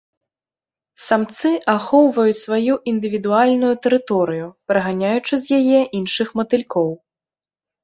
Самцы ахоўваюць сваю індывідуальную тэрыторыю, праганяючы з яе іншых матылькоў.